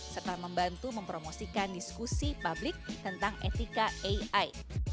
serta membantu mempromosikan diskusi publik tentang etika ai